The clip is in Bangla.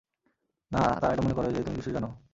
না, তারা এটা মনে করে যে, তুমি কিছু জানো।